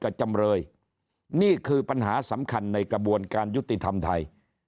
จำเลยนี่คือปัญหาสำคัญในกระบวนการยุติธรรมไทย